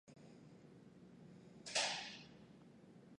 আমার ভাই এখনও ভিতরে!